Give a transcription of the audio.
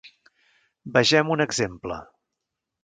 Vegem un exemple.